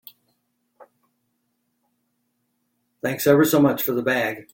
Thanks ever so much for the bag.